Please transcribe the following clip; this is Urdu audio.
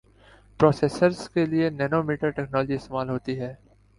پروسیسرز کے لئے نینو میٹر ٹیکنولوجی استعمال ہوتی ہے